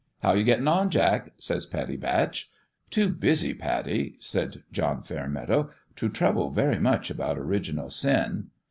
" How you gettin' on, Jack ?" says Pattie Batch. " Too busy, Pattie," says John Fairmeadow, " to trouble very much about original sin."